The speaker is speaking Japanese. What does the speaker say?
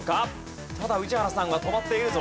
ただ宇治原さんは止まっているぞ。